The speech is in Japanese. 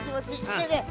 ねえねえ